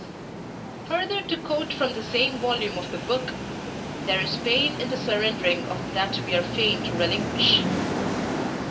Further to quote from the same volume of The Book: There is pain in the surrendering of that we are fain to relinquish.